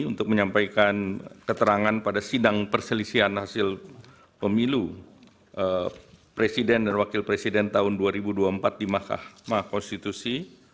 untuk menyampaikan keterangan pada sidang perselisihan hasil pemilu presiden dan wakil presiden tahun dua ribu dua puluh empat di mahkamah konstitusi